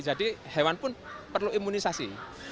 jadi hewan pun perlu imunisasi